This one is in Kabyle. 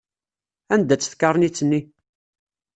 Anda-tt tkarnit-nni?